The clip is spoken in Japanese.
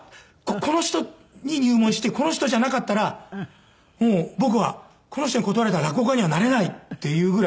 この人に入門してこの人じゃなかったらもう僕はこの人に断られたら落語家にはなれないっていうぐらい。